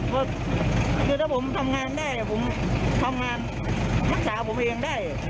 ก็คือถ้าผมทำงานได้ผมทำงานรักษาผมเองได้